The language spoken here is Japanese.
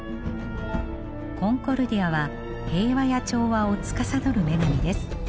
コンコルディアは平和や調和をつかさどる女神です。